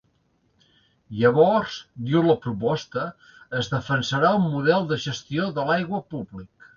Llavors, diu la proposta, es defensarà un model de gestió de l’aigua públic.